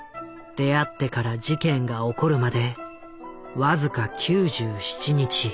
出会ってから事件が起こるまで僅か９７日。